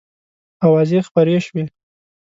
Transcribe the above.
آوازې خپرې شوې.